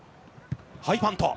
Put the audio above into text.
ハイパント。